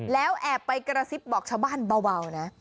แล้วแอบไปกระซิบบอกชาวบ้านเบานะ